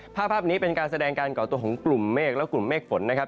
ภาพนี้เป็นการแสดงการก่อตัวของกลุ่มเมฆและกลุ่มเมฆฝนนะครับ